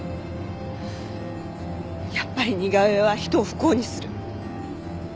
やっぱり似顔絵は人を不幸にする。